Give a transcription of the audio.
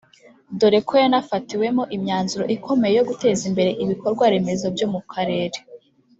dore ko yanafatiwemo imyanzuro ikomeye yo guteza imbere ibikorwa remezo byo mu karere